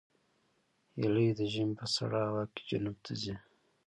هیلۍ د ژمي په سړه هوا کې جنوب ته ځي